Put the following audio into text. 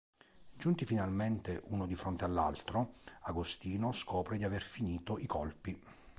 Giunti finalmente uno di fronte all'altro, Agostino scopre di aver finito i colpi.